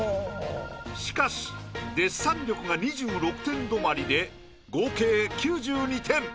しかしデッサン力が２６点止まりで合計９２点。